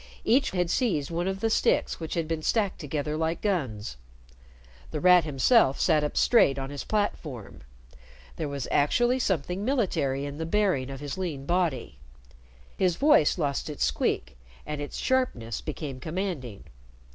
Each had seized one of the sticks which had been stacked together like guns. The Rat himself sat up straight on his platform. There was actually something military in the bearing of his lean body. His voice lost its squeak and its sharpness became commanding.